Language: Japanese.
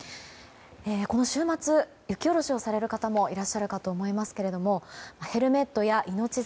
この週末、雪下ろしをされる方もいらっしゃるかと思いますがヘルメットや命綱